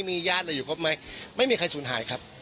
มีญาติเราอยู่ครบไหมไม่มีใครสูญหายครับ